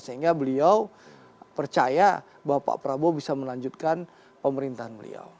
sehingga beliau percaya bahwa pak prabowo bisa melanjutkan pemerintahan beliau